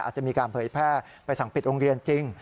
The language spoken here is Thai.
อาจจะมีการเผยแพร่ไปสั่งปิดโรงเรียนจริง